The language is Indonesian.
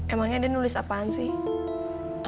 emangnya dia nulis apaan sih